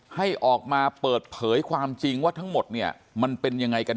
ให้ออกมาเปิดเผยความจริงว่าทั้งหมดเนี่ยมันเป็นยังไงกัน